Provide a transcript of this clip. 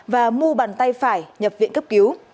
và mu bàn tay phải nhập viện cấp cứu